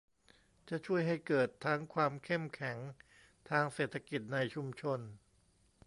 จะช่วยให้เกิดทั้งความเข้มแข็งทางเศรษฐกิจในชุมชน